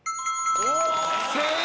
正解。